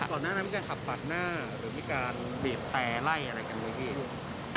ก่อนหน้านั้นมีการขับปากหน้าหรือมีการบีบแต่ไล่อะไรกันไหมพี่